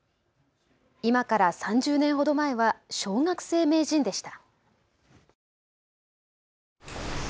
今から３０年ほど前は小学生名人でした。